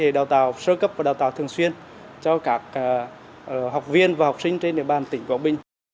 để đào tạo sơ cấp và đào tạo thường xuyên cho các học viên và học sinh trên địa bàn tỉnh quảng bình